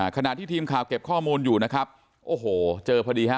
ขณะที่ทีมข่าวเก็บข้อมูลอยู่นะครับโอ้โหเจอพอดีฮะ